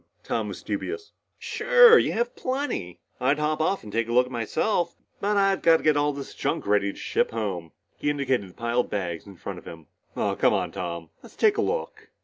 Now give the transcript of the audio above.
Tom was dubious. "Sure you have plenty. I'd hop off and take a look myself but I've got to get this junk ready to ship home." He indicated the pile of bags in front of him. "Aw, come on, Tom, let's take a look!"